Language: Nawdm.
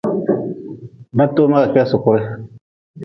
Batoma ka kedi sukure.